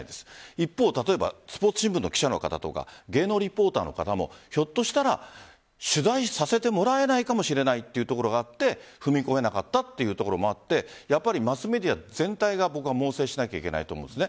一方、スポーツ新聞の記者の方とか芸能リポーターの方ひょっとしたら取材させてもらえないかもしれないというところがあって踏み込めなかったというところもあってやっぱりマスメディア全体が猛省しなければいけないと思うんです。